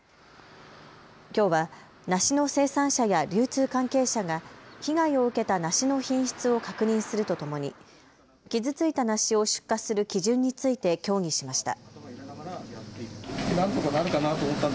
きょうは梨の生産者や流通関係者が被害を受けた梨の品質を確認するとともに傷ついた梨を出荷する基準について協議しました。